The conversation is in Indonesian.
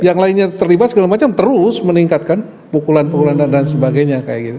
yang lainnya terlibat segala macam terus meningkatkan pukulan pukulan dan sebagainya kayak gitu